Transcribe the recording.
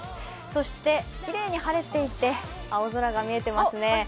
そしてきれいに晴れていて青空が見えてますね。